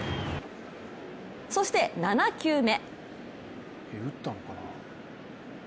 そして７球目。